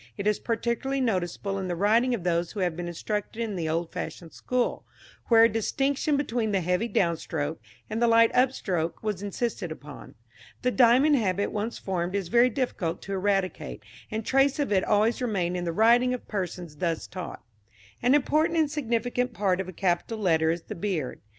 It is particularly noticeable in the writing of those who have been instructed in the old fashioned school, where a distinction between the heavy downstroke and the light upstroke was insisted upon. The diamond habit once formed is very difficult to eradicate, and traces of it always remain in the writing of persons thus taught. An important and significant part of a capital letter is the beard.